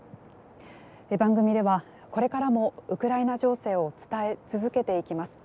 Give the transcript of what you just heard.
番組では、これからもウクライナ情勢を伝え続けていきます。